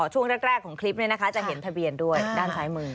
ช่วงแรกของคลิปนี้นะคะจะเห็นทะเบียนด้วยด้านซ้ายมือ